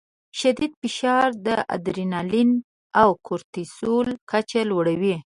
شدید فشار د اډرینالین او کورټیسول کچه لوړوي.